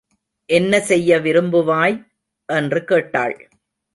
என்ன செய்ய விரும்புவாய்? என்று கேட்டாள்.